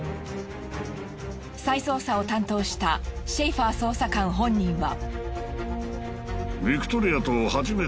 再捜査を担当したシェイファー捜査官本人は。